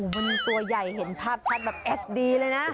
มันตัวใหญ่เห็นภาพชัดแบบเอสดีเลยนะ